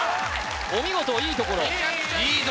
お見事いいところいいぞ